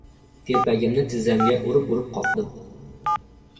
Telpagimni tizzamga urib-urib qoqdim.